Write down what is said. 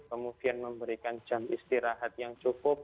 kemudian memberikan jam istirahat yang cukup